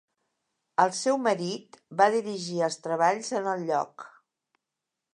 El seu marit va dirigir els treballs en el lloc.